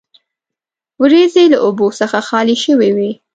وریځې له اوبو څخه خالي شوې وې.